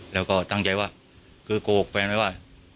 แล้วก็ตั้งใจว่าคือโกหกแฟนไว้ว่า